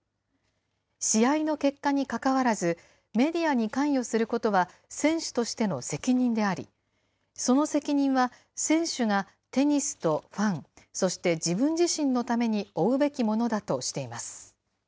試合の結果にかかわらず、メディアに関与することは選手としての責任であり、その責任は選手がテニスとファン、そして自分自身のために負うべきものだとしています。